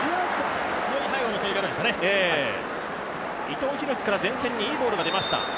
伊藤洋輝から前線にいいボールが出ました。